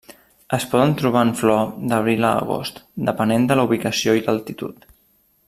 Es poden trobar en flor d'abril a agost, depenent de la ubicació i l'altitud.